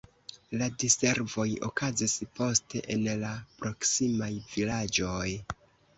La diservoj okazis poste en la proksimaj vilaĝoj.